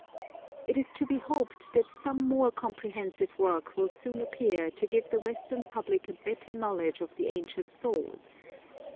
It is to be hoped that some more comprehensive work will soon appear to give the Western public a better knowledge of the ancient swords.